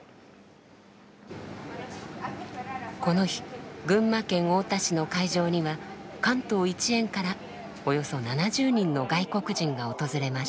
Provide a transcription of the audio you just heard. この日群馬県太田市の会場には関東一円からおよそ７０人の外国人が訪れました。